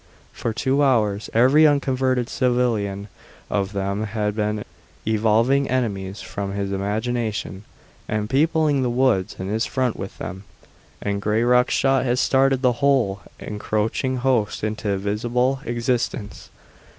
For two hours every unconverted civilian of them had been evolving enemies from his imagination, and peopling the woods in his front with them, and Grayrock's shot had started the whole encroaching host into visible existence.